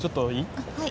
あっはい。